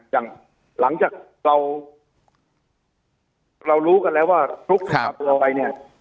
อย่างหลังจากเราเรารู้กันแล้วว่าฟลุ๊กขับไปเนี่ย